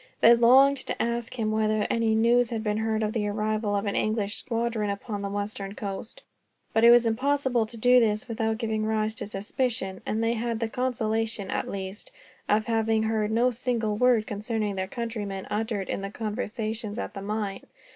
They longed to ask him whether any news had been heard of the arrival of an English squadron upon the western coast. But it was impossible to do this, without giving rise to suspicion; and they had the consolation, at least, of having heard no single word concerning their countrymen uttered in the conversations at the mine.